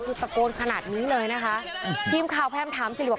คือตะโกนขนาดนี้เลยนะคะทีมข่าวพยายามถามสิริบอก